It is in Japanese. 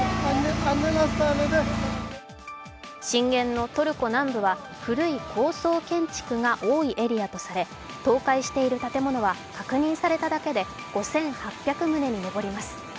震源のトルコ南部は古い高層建築が多いエリアとされ倒壊している建物は確認されただけで５８００棟に上ります。